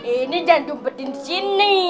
ini jangan diumpetin disini